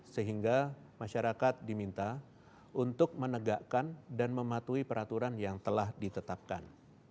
sehingga masyarakat diminta untuk menegakkan dan mematuhi peraturan yang telah ditetapkan